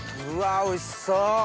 うわおいしそう！